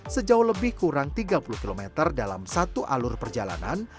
sejauh lebih kurang tiga puluh km dalam satu alur perjalanan